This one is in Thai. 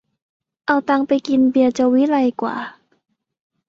เอาตังค์ไปกินเบียร์จะวิไลกว่า